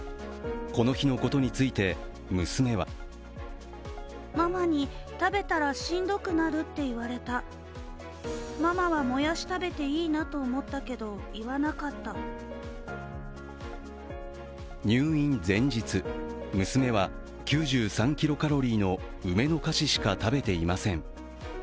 この日のことについて娘は入院前日、娘は９３キロカロリーの梅の菓子しか食べていません。